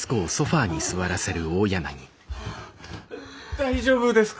大丈夫ですか？